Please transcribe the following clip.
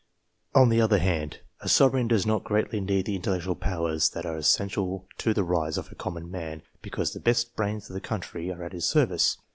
On the other hand, a sovereign does not greatly need the intellectual powers that are essential to the rise of a common man, because the best brains of the country are at his service.